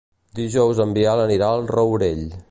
Dijous en Biel anirà al Rourell.